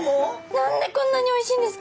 何でこんなにおいしいんですか？